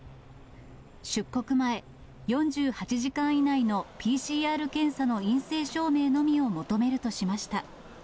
出国前、４８時間以内のＰＣＲ検査の陰性証明のみを求めるとしました。